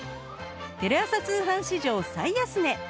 テレ朝通販史上最安値！